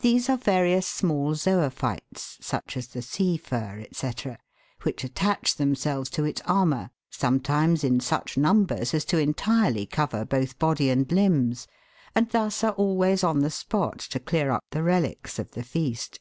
These are various small zoophytes, such as the sea fir, &c., which attach themselves to its armour, sometimes in such numbers as to entirely cover both body and limbs, and thus are always on the spot to clear up the relics of the feast.